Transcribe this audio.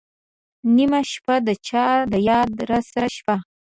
نېمه شپه ، د چا د یاد راسره شپه